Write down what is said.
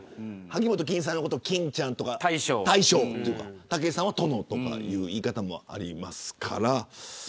萩本欽一さんのことを欽ちゃんとか大将とかたけしさんは殿とかいう言い方もあります。